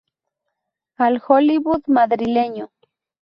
Al Hollywood madrileño